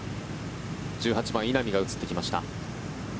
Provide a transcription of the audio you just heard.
１８番、稲見が映ってきました。